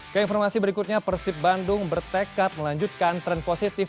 keinformasi berikutnya persib bandung bertekad melanjutkan tren positif